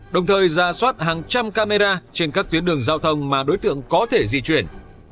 đồng thời ra soát hàng trăm camera trên các tuyến đường giao thông mà đối tượng có thể di chuyển